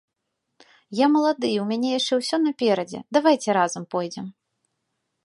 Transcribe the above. Я малады, і ў мяне яшчэ ўсё наперадзе, давайце разам пойдзем.